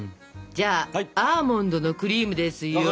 じゃあアーモンドのクリームです